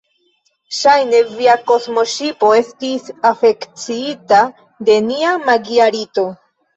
Ŝajne, via kosmoŝipo estis afekciita de nia magia rito.